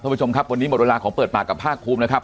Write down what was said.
ผู้ชมครับวันนี้หมดเวลาของเปิดปากกับภาคภูมินะครับ